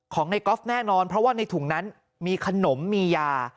ของในกอล์ฟแน่นอนเพราะว่าในถุงนั้นมีขนมมียา